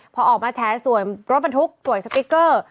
พอออกมาแฉสวยรถบรรทุกสวยสติ๊กเกอร์